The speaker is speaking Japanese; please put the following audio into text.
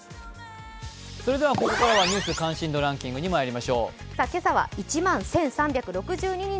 ここからは「ニュース関心度ランキング」にまいりましょう。